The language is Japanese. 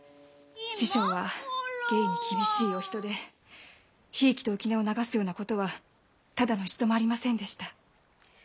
師匠は芸に厳しいお人でひいきと浮き名を流すようなことはただの一度もありませんでした。